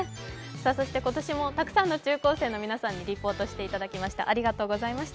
そして今年もたくさんの中高生の皆さんにリポートしていただきました、ありがとうございました。